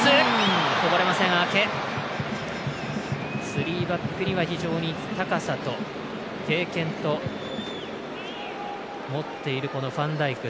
スリーバックには非常に高さと経験を持っているファンダイク。